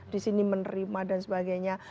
disini menerima dan sebagainya